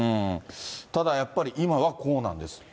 ただやっぱり今はこうなんですって。